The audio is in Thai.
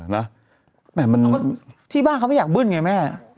ใช่ปะละที่บ้านเขาไม่อยากบื้นไงแม่